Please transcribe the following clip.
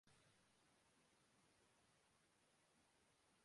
چیزوں کے بارے میں غور کرنے میں وقت صرف کرتا ہوں